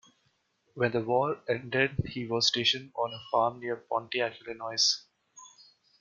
When the war ended he was stationed on a farm near Pontiac, Illinois.